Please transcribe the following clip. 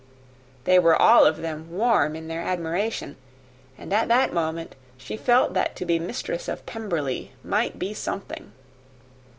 They were all of them warm in their admiration; and at that moment she felt that to be mistress of Pemberley might be something!